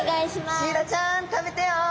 シイラちゃん食べてよ。